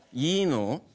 いいの？